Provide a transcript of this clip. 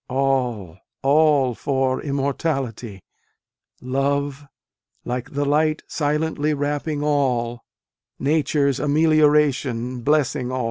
All, all for immortality, Love like the light silently wrapping all, Nature s amelioration blessing all, THE PIONEERS.